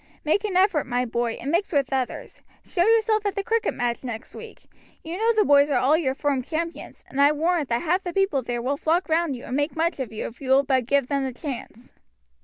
Make an effort, my boy, and mix with others. Show yourself at the cricket match next week. You know the boys are all your firm champions, and I warrant that half the people there will flock round you and make much of you if you will but give them the chance."